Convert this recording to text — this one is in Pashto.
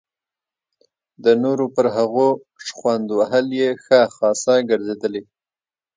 د نورو پر هغو شخوند وهل یې ښه خاصه ګرځېدلې.